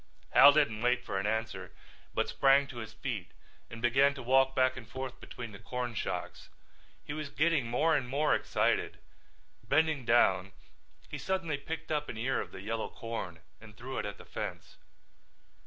Hal didn't wait for an answer but sprang to his feet and began to walk back and forth between the corn shocks. He was getting more and more excited. Bending down suddenly he picked up an ear of the yellow corn and threw it at the fence.